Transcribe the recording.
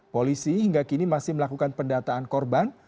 polisi hingga kini masih melakukan pendataan korban